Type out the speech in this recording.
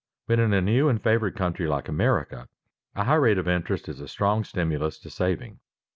But in a new and favored country like America, a high rate of interest is a strong stimulus to saving.